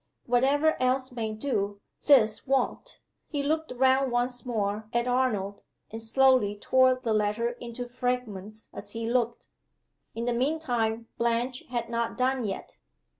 "Whatever else may do this won't!" He looked round once more at Arnold, and slowly tore the letter into fragments as he looked.) In the mean time Blanche had not done yet.